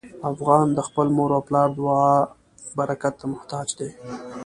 افغان د خپل مور او پلار د دعا برکت ته محتاج دی.